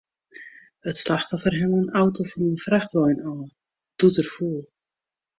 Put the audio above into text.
It slachtoffer helle in auto fan in frachtwein ôf, doe't er foel.